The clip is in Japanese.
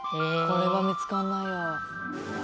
これは見つかんないわ。